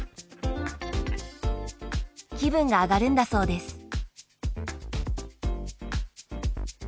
気分が上がるんだそうです。